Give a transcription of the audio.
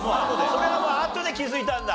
それはあとで気づいたんだ？